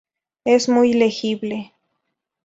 Es muy legible.